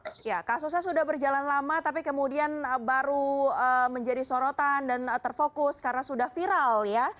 ya kasusnya sudah berjalan lama tapi kemudian baru menjadi sorotan dan terfokus karena sudah viral ya